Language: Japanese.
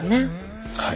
はい。